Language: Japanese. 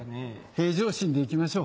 平常心でいきましょう。